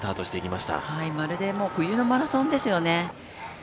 まるで冬のマラソンですよね。